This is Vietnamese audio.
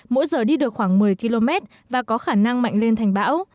mỗi giờ đi được khoảng một mươi km và có khả năng mạnh lên thành bão